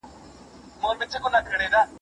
خو اوس موږ یوازي د سوله ایز ژوند هیله لرو.